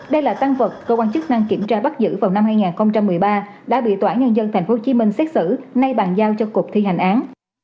đây là tăng vật cơ quan chức năng kiểm tra bắt giữ vào năm hai nghìn một mươi ba đã bị tòa án nhân dân tp hcm xét xử nay bàn giao cho cục thi hành án